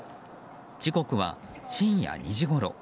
時刻は深夜２時ごろ。